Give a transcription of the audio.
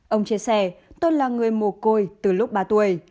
ông chia sẻ tôi là người mồ côi từ lúc ba tuổi